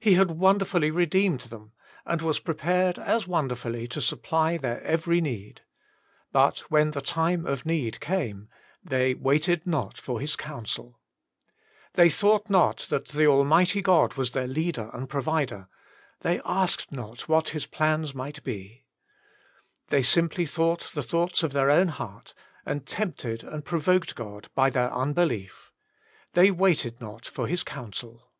He had wonderfully re deemed them, and was prepared as wonderfully to supply their every need. But, when the time of need came, ' they waited not for His counsel.' They thought not that the Almighty God was their Leader and Provider ; they asked not what His plans might be. They simply thought the thoughts of their own heart, and tempted and provoked God by their unbelief. * They waited not for His counsel.'